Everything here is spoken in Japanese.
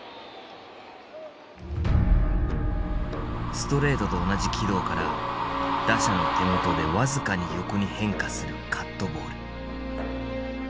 ストレートと同じ軌道から打者の手元で僅かに横に変化するカットボール。